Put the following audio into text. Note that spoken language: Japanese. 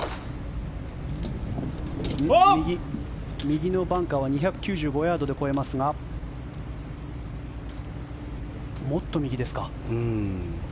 右のバンカーは２９５ヤードで越えますがもっと右ですか。